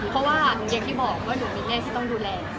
เพราะว่าอย่างที่บอกว่าหนูมีแม่ที่ต้องดูแล